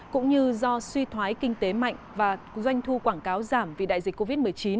cũng như do suy thoái kinh tế mạnh và doanh thu quảng cáo giảm vì đại dịch covid một mươi chín